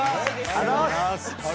ありがとうございます！